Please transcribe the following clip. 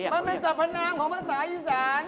มันเป็นสรรพนามของภาษาอีสาน